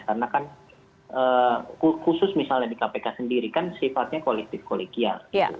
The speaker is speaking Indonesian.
karena kan khusus misalnya di kpk sendiri kan sifatnya kualitif kualitif